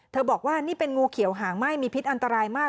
บอกว่านี่เป็นงูเขียวหางไหม้มีพิษอันตรายมาก